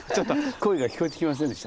声が聞こえてきませんでした？